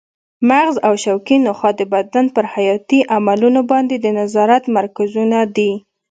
مغز او شوکي نخاع د بدن پر حیاتي عملونو باندې د نظارت مرکزونه دي.